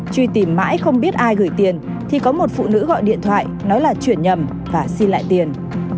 truy tìm mãi không biết ai gửi tiền thì có một phụ nữ gọi điện thoại nói là chuyển nhầm và xin lại tiền